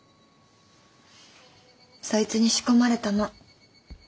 そいつに仕込まれたの。